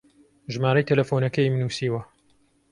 ژمارەی تەلەفۆنەکەیم نووسیوە.